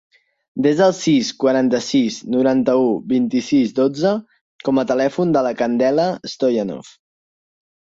Desa el sis, quaranta-sis, noranta-u, vint-i-sis, dotze com a telèfon de la Candela Stoyanov.